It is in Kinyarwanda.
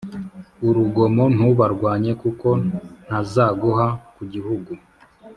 urugomo ntubarwanye kuko ntazaguha ku gihugu